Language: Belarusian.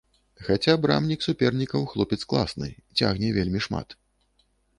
Хаця брамнік супернікаў хлопец класны, цягне вельмі шмат.